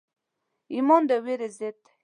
ایمان د ویرې ضد دی.